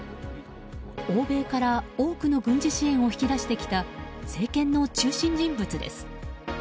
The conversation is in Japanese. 欧米から多くの軍事支援を引き出してきた政権の中心人物です。